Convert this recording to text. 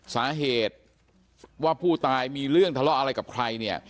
สาเหตุว่าผู้ตายมีเรื่องทะเลาะอะไรกับใครเนี่ย